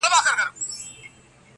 • څنګه د مصر په بازار کي زلیخا ووینم -